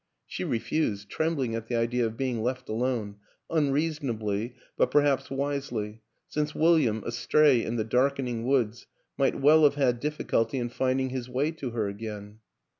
She refused, trembling at the idea of being left alone unreasonably, but perhaps wisely, since William, astray in the darkening woods, might well have had difficulty in finding his way to her again.